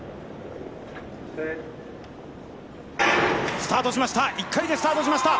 スタートしました。